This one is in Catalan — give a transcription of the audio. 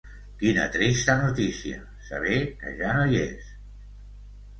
Quina trista notícia, saber que ja no hi és.